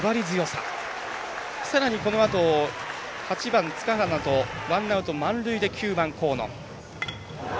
さらに、８番、塚原とワンアウト、満塁で９番、河野。